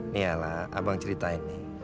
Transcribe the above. nih allah abang ceritain